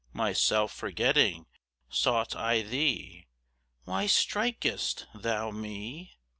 Myself forgetting, sought I thee: Why strik'st thou me?